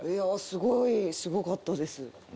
すごいすごかったです。